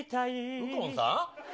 右近さん？